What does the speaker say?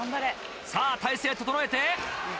さぁ体勢整えて。